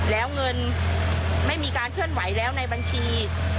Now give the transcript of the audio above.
แล้วเงินไม่มีการเคลื่อนไหวแล้วในบัญชี